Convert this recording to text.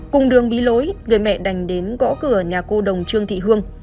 cùng đường bí lối người mẹ đành đến gõ cửa nhà cô đồng trương thị hương